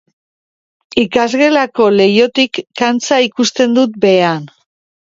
Ikasgelako leihotik kantxa ikusten dut behean.